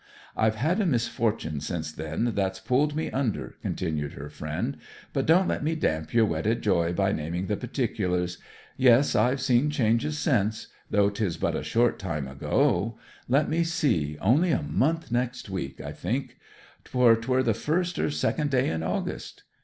'I've had a misfortune since then, that's pulled me under,' continued her friend. 'But don't let me damp yer wedded joy by naming the particulars. Yes, I've seen changes since; though 'tis but a short time ago let me see, only a month next week, I think; for 'twere the first or second day in August.'